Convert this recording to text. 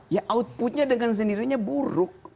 ya outputnya dengan sendirinya buruk